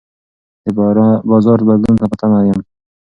د بازار بدلون ته په تمه یم.